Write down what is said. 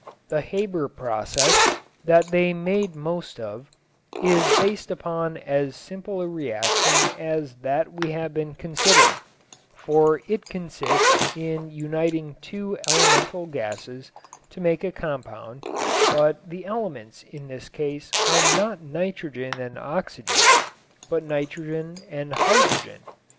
The Haber process, that they made most of, is based upon as simple a reaction as that we have been considering, for it consists in uniting two elemental gases to make a compound, but the elements in this case are not nitrogen and oxygen, but nitrogen and hydrogen.